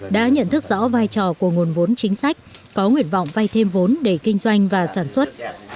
đã nhận thức rõ vai trò của nguồn vốn chính sách có nguyện vọng vay thêm vốn để kinh doanh và sản xuất